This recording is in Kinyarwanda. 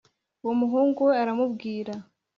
Uwo muhungu we aramubwira